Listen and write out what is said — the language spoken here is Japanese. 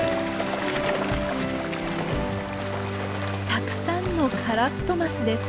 たくさんのカラフトマスです！